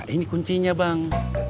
ini kuncinya bang